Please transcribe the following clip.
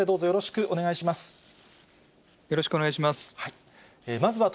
よろしくお願いします。